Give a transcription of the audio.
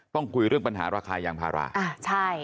ต้องคุยเรื่องปัญหาราคายางภาระอ่ะใช่